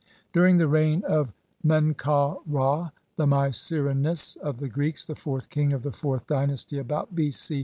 During the reign of Men kau Ra, the Mycerinus of the Greeks, the fourth king of the fourth dynasty, about B. C.